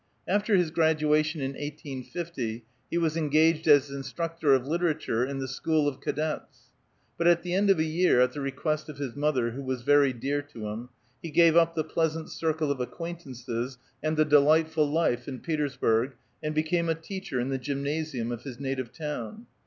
After his graduation in 1850 he was engaged as instructor of literature in the School of Cadets ; but at the end of a year, at the request of his mother, who was very dear to him, he gave up the pleasant circle of acquaintances, and the delightful life in Petersburg, and became a teacher in the gj^mnasium of his native town.